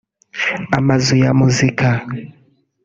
amazu ya muzika